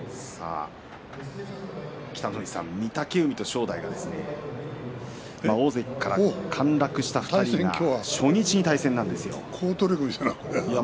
北の富士さん、御嶽海と正代大関から陥落した２人初日に対戦なんですよ。